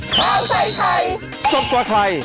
ข้าวใส่ไข่สดกว่าไข่